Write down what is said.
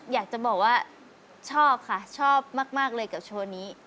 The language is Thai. อยากจะบอกว่าชอบค่ะชอบมากเลยกับโชว์นี้